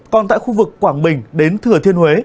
còn tại khu vực quảng bình đến thừa thiên huế